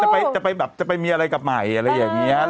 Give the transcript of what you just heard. แล้วก็จะไปมีอะไรกับใหม่